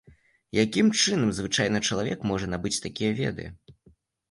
Якім чынам звычайны чалавек можа набыць такія веды?